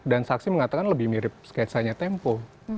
dan saksi mengatakan lebih mirip sketsanya tempo